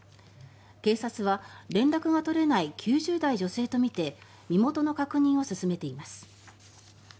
警察は連絡が取れない９０代女性とみて身元の確認を進めています。